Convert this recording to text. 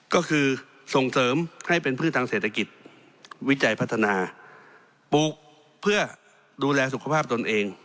ก็คือส่งเสริมให้เป็นพืชทางเศรษฐกิจวิจัยพัฒนาปลูกเพื่อดูแลสุขภาพตนเอง